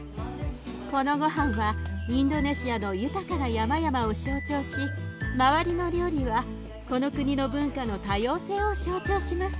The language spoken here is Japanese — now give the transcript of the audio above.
このごはんはインドネシアの豊かな山々を象徴し周りの料理はこの国の文化の多様性を象徴します。